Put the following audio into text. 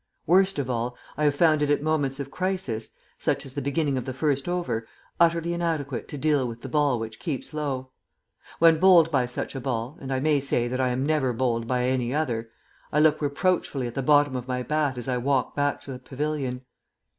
Worst of all, I have found it at moments of crisis (such as the beginning of the first over) utterly inadequate to deal with the ball which keeps low. When bowled by such a ball and I may say that I am never bowled by any other I look reproachfully at the bottom of my bat as I walk back to the pavilion.